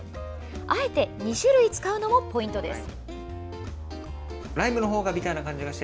あえて２種類使うのもポイントです。